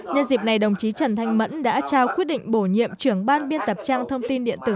nhân dịp này đồng chí trần thanh mẫn đã trao quyết định bổ nhiệm trưởng ban biên tập trang thông tin điện tử